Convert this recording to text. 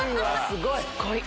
すごい！